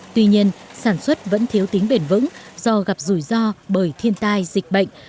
tuy nhiên sản xuất vẫn thiếu tính bền vững do gặp rủi ro bởi thiên tai dịch bệnh